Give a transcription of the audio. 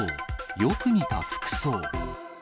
よく似た服装。